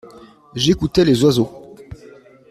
J’écoutais les oiseaux.